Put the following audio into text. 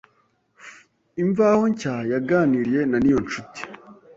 Imvaho Nshya yaganiriye na Niyonshuti